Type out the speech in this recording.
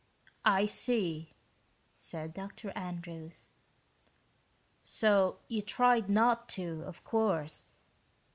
"I see," said Dr. Andrews, "So you tried not to, of course.